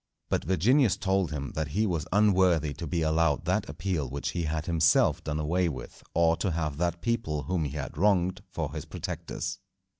But Virginius told him that he was unworthy to be allowed that appeal which he had himself done away with, or to have that people whom he had wronged for his protectors.